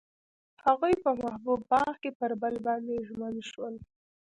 هغوی په محبوب باغ کې پر بل باندې ژمن شول.